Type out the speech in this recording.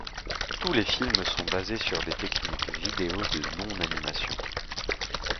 Tous les films sont basés sur des techniques vidéo de non-animation.